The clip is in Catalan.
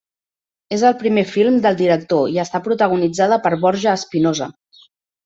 És el primer film del director i està protagonitzada per Borja Espinosa.